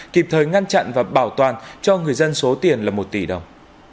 kịp thời ngăn chặn và bảo toàn cho người dân số tiền là một tỷ đồng